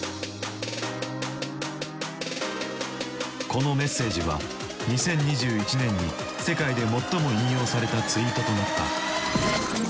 このメッセージは２０２１年に世界で最も引用されたツイートとなった。